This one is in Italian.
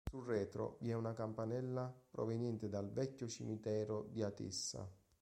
Sul retro vi è una campanella proveniente dal vecchio cimitero di Atessa.